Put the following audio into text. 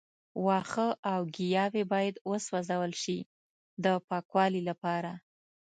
وښه او ګیاوې باید وسوځول شي د پاکوالي لپاره.